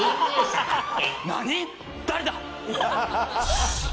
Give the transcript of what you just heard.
何⁉誰だ？